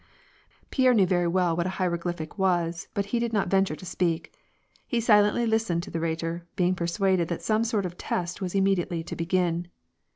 Pierre knew very well what a hieroglyphic was, but he did not venture to speak. He silently listened to the Rhetor, be ing persuaded that some sort of test was immediately to be gin.